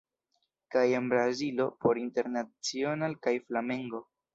Kaj en Brazilo por Internacional kaj Flamengo.